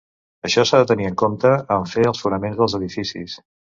Això s’ha de tenir en compte en fer els fonaments dels edificis.